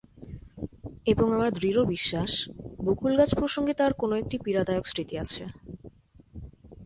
এবং আমার দৃঢ় বিশ্বাস বকুল গাছ প্রসঙ্গে তার কোনো একটি পীড়াদায়ক স্মৃতি আছে।